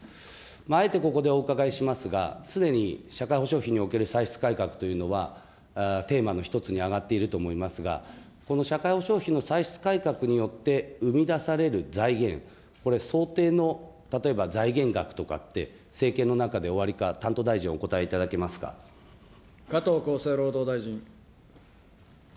あえてここでお伺いしますが、すでに社会保障費における歳出改革というのは、テーマの一つにあがっていると思いますが、この社会保障費の歳出改革によって、生み出される財源、これ、想定の、例えば財源額とかって、政権の中でおありか、担当大臣お答えいただ加藤厚生労働大臣。